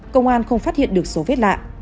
công an không phát hiện được số vết lạ